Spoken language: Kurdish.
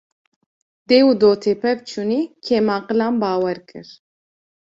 Dê û dotê pevçûnî, kêm aqilan bawer kir